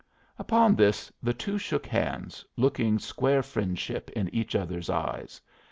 Upon this the two shook hands, looking square friendship in each other's eyes.